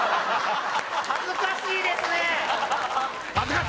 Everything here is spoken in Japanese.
恥ずかしいですね。